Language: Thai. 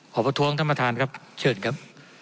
ประท้วงท่านประธานครับเชิญครับ